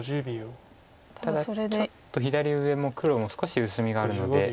ただちょっと左上も黒も少し薄みがあるので。